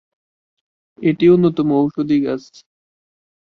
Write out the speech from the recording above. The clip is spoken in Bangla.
এটি অন্যতম ঔষধি গাছ।